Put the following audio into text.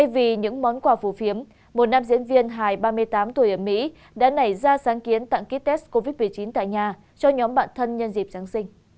vì những món quà phù phiếm một nam diễn viên hài ba mươi tám tuổi ở mỹ đã nảy ra sáng kiến tặng ký test covid một mươi chín tại nhà cho nhóm bạn thân nhân dịp giáng sinh